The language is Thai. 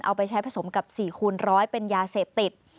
เอาไปใช้ผสมกับ๔คูณร้อยเป็นยาเสพติด